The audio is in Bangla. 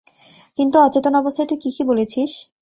কিন্তু অচেতন অবস্থায় তুই কী কী বলেছিস!